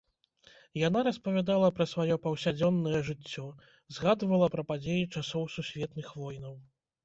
Яна распавядала пра сваё паўсядзённае жыццё, згадвала пра падзеі часоў сусветных войнаў.